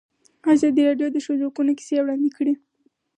ازادي راډیو د د ښځو حقونه کیسې وړاندې کړي.